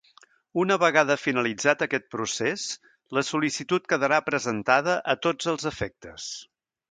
Una vegada finalitzat aquest procés la sol·licitud quedarà presentada a tots els efectes.